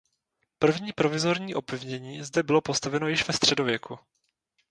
První provizorní opevnění zde bylo postaveno již ve středověku.